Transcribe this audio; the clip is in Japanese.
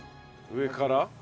上から。